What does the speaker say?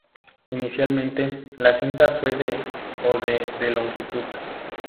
Inicialmente, la cinta fue de o de de longitud.